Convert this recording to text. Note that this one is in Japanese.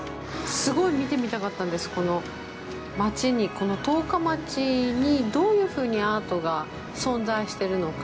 すごい見てみたかったんです、この町に、この十日町にどういうふうにアートが存在してるのか。